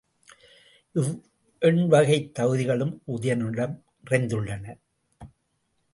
இவ்வெண்வகைத் தகுதிகளும் உதயணனிடம் நிறைந்துள்ளன.